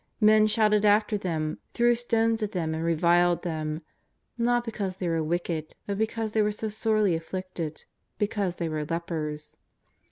Men shouted after them, threw stones at them and reviled them, not because they were wicked but because they were so sorely afflicted, because they were lepers.